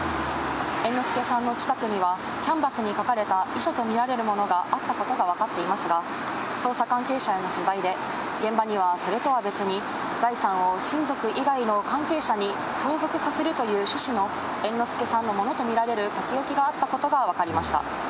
猿之助さんの近くには、キャンバスに書かれた遺書と見られるものがあったことが分かっていますが、捜査関係者への取材で、現場にはそれとは別に、財産を親族以外の関係者に相続させるという趣旨の、猿之助さんのものと見られる書き置きがあったことが分かりました。